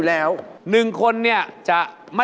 กลับไปก่อนเลยนะครับ